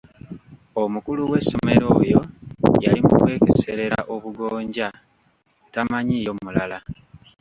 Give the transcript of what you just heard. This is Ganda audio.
Omukulu w'essomero oyo yali mu kwekeserera obugonja tamanyiiyo mulala.